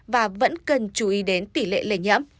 và vẫn cần chú ý đến tỷ lệ lề nhẫm